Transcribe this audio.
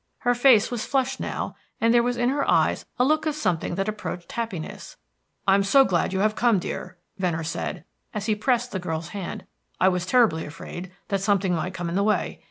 Her face was flushed now, and there was in her eyes a look of something that approached happiness. "I am so glad you have come, dear," Venner said, as he pressed the girl's hand. "I was terribly afraid that something might come in the way.